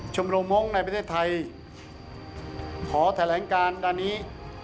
โมมงค์ในประเทศไทยขอแถลงการด้านนี้